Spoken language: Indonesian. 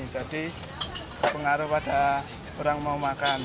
jadi pengaruh pada orang mau makan